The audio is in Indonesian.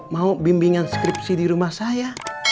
mau bimbingan skripsi di rumah saya